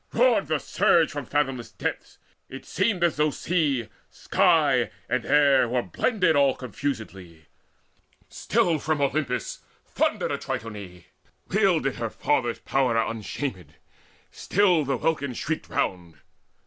Roared the surge From fathomless depths: it seemed as though sea, sky, And land were blended all confusedly. Still from Olympus thundering Atrytone Wielded her Father's power unshamed, and still The welkin shrieked around.